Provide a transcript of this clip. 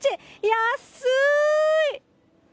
安い！